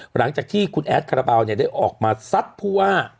หลังจากที่คุณแอดคาราบาลได้ออกมาซัดผู้ว่า